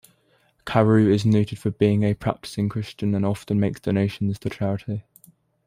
Carew is noted for being a practicing Christian and often makes donations to charity.